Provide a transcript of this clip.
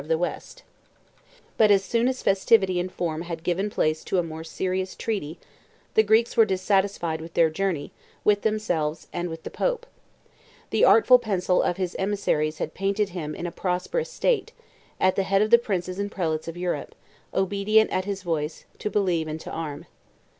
261.)] But as soon as festivity and form had given place to a more serious treaty, the Greeks were dissatisfied with their journey, with themselves, and with the pope. The artful pencil of his emissaries had painted him in a prosperous state; at the head of the princes and prelates of Europe, obedient at his voice, to believe and to arm.